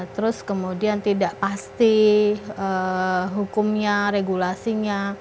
terus kemudian tidak pasti hukumnya regulasinya